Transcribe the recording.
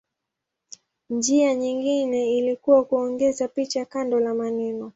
Njia nyingine ilikuwa kuongeza picha kando la maneno.